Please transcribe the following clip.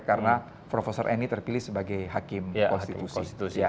karena prof eni terpilih sebagai hakim konstitusi